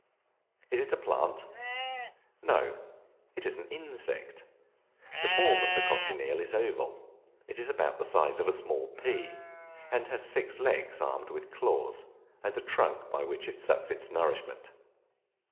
Is it a plant? No, it is an insect. The form of the Cochineal is oval; it is about the size of a small pea, and has six legs armed with claws, and a trunk by which it sucks its nourishment.